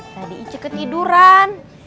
tadi ije ketiduran